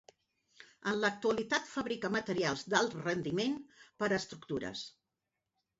En l'actualitat fabrica materials d'alt rendiment per a estructures.